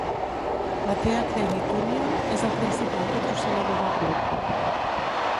L'Athea Credit Union és el principal patrocinador del club.